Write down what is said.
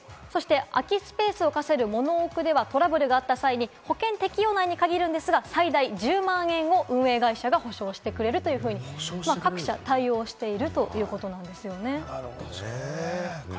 そして、空きスペースを貸せるモノオクではトラブルがあったときに保険適用内に限りますが、最大１０万円を運営会社が補償してくれると、各社対応しているということなんです。